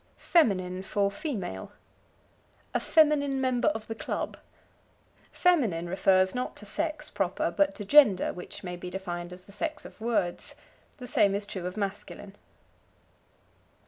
Feminine for Female. "A feminine member of the club." Feminine refers, not to sex proper, but to gender, which may be defined as the sex of words. The same is true of masculine.